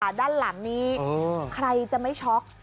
ด้านหลังนี้ใครจะไม่ช็อก